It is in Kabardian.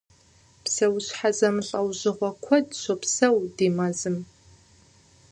Псэущхьэ зэмылӏэужьыгъуэ куэд щопсэу ди мэзым.